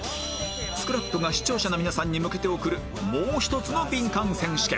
ＳＣＲＡＰ が視聴者の皆さんに向けて送るもう一つのビンカン選手権